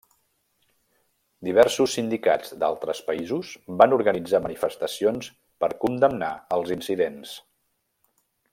Diversos sindicats d'altres països van organitzar manifestacions per condemnar els incidents.